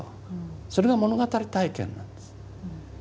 それが物語体験なんです。